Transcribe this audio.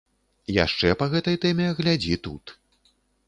Яшчэ па гэтай тэме глядзі тут.